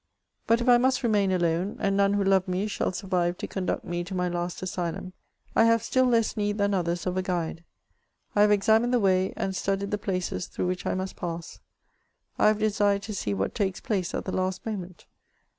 But if I must remain alone, and none who loved me shall survive to conduct me to my last asylum, I have still less need than others of a guide ; I luive examined the way, and studied the places through which I must pass ; I have desired to see what takes place at the last moment.